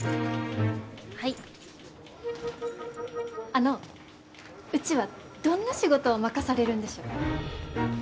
あのうちはどんな仕事を任されるんでしょう？